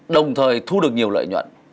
đồng thời thu được nhiều lợi nhuận